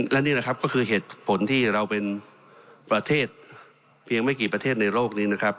และนี่แหละครับก็คือเหตุผลที่เราเป็นประเทศเพียงไม่กี่ประเทศในโลกนี้นะครับ